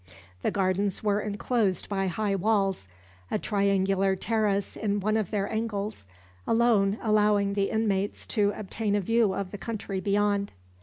The gardens were enclosed by high walls, a triangular terrace in one of their angles alone allowing the inmates to obtain a view of the country beyond.